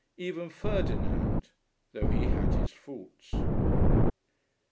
Even Ferdinand, though he had his faults....